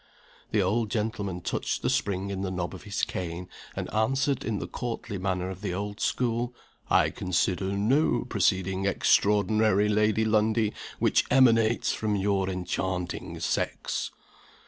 The old gentleman touched the spring in the knob of his cane, and answered, in the courtly manner of the old school: "I consider no proceeding extraordinary Lady Lundie, which emanates from your enchanting sex."